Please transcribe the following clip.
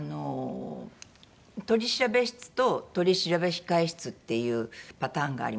取調室と取調控え室っていうパターンがありまして。